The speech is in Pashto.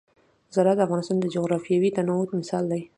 زراعت د افغانستان د جغرافیوي تنوع مثال دی.